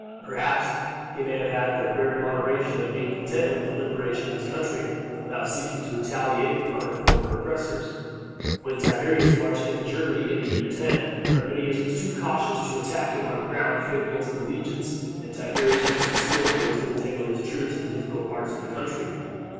Perhaps he may have had the rare moderation of being content with the liberation of his country, without seeking to retaliate on her former oppressors. When Tiberius marched into Germany in the year 10, Arminius was too cautious to attack him on ground favourable to the legions, and Tiberius was too skilful, to entangle his troops in difficult parts of the country.